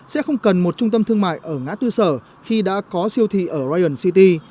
sẽ không cần một trung tâm thương mại ở ngã tư sở khi đã có siêu thị ở ryan city